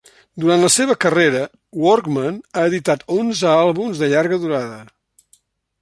Durant la seva carrera, Workman ha editat onze àlbums de llarga durada.